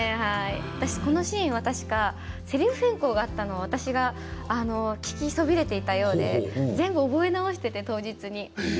私このシーンは確かせりふの変更があったのを私が聞きそびれていたようで全部覚え直していて当日に。